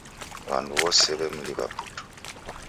W'andu w'soe w'emliw'a putu.